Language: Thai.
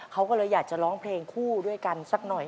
เขาก็เลยอยากจะร้องเพลงคู่ด้วยกันสักหน่อย